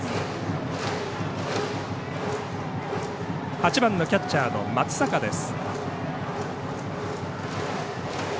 ８番キャッチャーの松坂です。